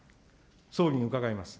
総理に伺います。